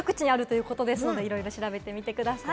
いろいろ調べてみてください。